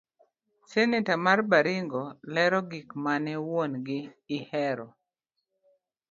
Seneta mar Baringo lero gik mane wuon gi ihero.